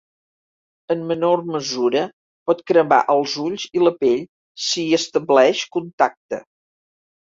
En menor mesura, pot cremar els ulls i la pell si hi estableix contacte.